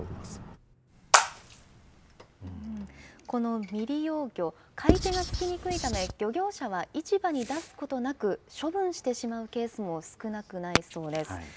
この未利用魚、買い手がつきにくいため、漁業者は市場に出すことなく、処分してしまうケースも少なくないそうです。